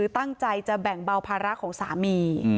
ตั้งใจจะแบ่งเบาภาระของสามี